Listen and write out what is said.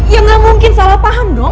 ya gak mungkin salah paham dong